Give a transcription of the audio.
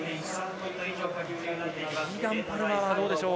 キーガン・パルマーはどうでしょう？